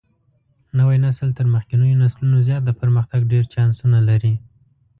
نوى نسل تر مخکېنيو نسلونو زيات د پرمختګ ډېر چانسونه لري.